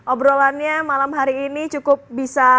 obrolannya malam hari ini cukup bisa